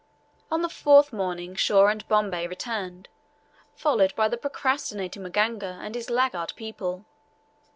On the fourth morning Shaw and Bombay returned, followed by the procrastinating Maganga and his laggard people.